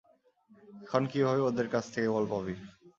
এখন কিভাবে ওদের কাছ থেকে বল পাবি?